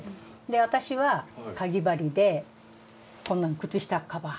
私はかぎ針でこんなん靴下カバー。